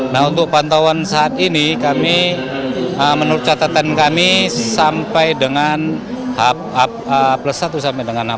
nah untuk pantauan saat ini kami menurut catatan kami sampai dengan h satu sampai dengan h